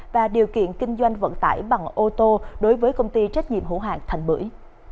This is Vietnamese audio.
và điều kiện kinh doanh vận tải bằng ô tô đối với công ty trách nhiệm hữu hạng thành bưởi